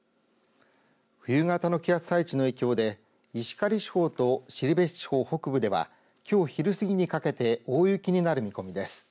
冬型の気圧配置の影響で石狩地方と後志地方北部ではきょう昼過ぎにかけて大雪になる見込みです。